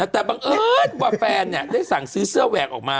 แต่บังเอิ้นนท์ว่าแฟนเนี่ยได้สั่งซื้อเสื้อแขะเวลาเข้ามา